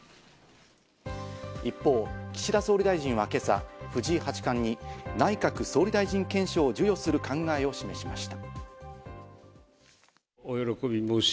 一方、岸田総理大臣は今朝、藤井八冠に内閣総理大臣顕彰を授与する考えを示しました。